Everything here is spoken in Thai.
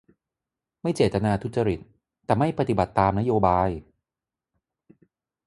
ไม่เจตนาทุจริตแต่ไม่ปฏิบัติตามนโยบาย !